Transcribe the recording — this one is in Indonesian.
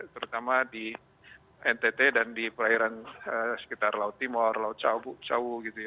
terutama di ntt dan di perairan sekitar laut timur laut sawu gitu ya